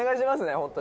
本当に」